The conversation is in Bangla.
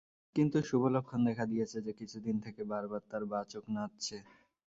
কিন্তু শুভলক্ষণ দেখা দিয়েছে যে, কিছুদিন থেকে বার বার তার বাঁ চোখ নাচছে।